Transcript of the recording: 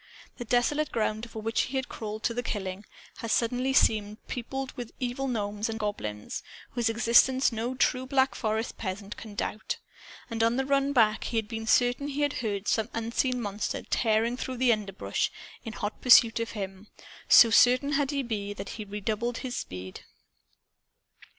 The desolate ground, over which he had crawled to the killing, had suddenly seemed peopled with evil gnomes and goblins, whose existence no true Black Forest peasant can doubt. And, on the run back, he had been certain he heard some unseen monster tearing through the underbrush in hot pursuit of him. So certain had he been, that he had redoubled his speed.